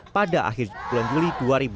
pada akhir bulan juli dua ribu dua puluh